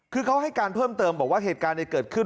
คือเขาให้การเพิ่มเติมบอกว่าเหตุการณ์เกิดขึ้น